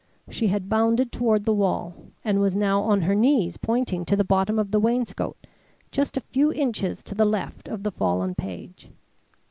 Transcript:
She had bounded toward the wall and was now on her knees pointing to the bottom of the wainscot, just a few inches to the left of the fallen page.